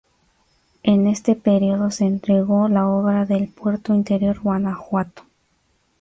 En este periodo se entregó la obra del Puerto Interior Guanajuato.